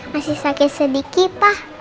masih sakit sedikit pa